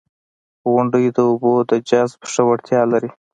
• غونډۍ د اوبو د جذب ښه وړتیا لري.